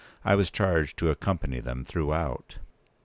I was charged to accompany them throughout.